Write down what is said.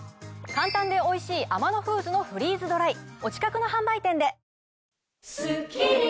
簡単でおいしいアマノフーズのフリーズドライお近くの販売店で。